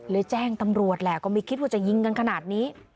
แจ้งตำรวจแหละก็ไม่คิดว่าจะยิงกันขนาดนี้